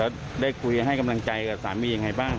แล้วได้คุยให้กำลังใจกับสามียังไงบ้าง